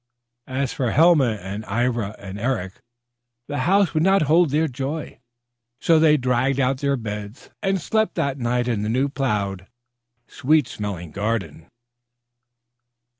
As for Helma and Ivra and Eric, the house would not hold their joy, and so they dragged out their beds and slept that night in the new plowed, sweet smelling garden.